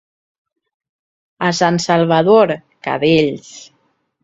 A Sant Salvador, cadells.